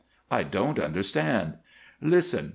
"I don't understand." "Listen!